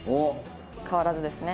変わらずですね。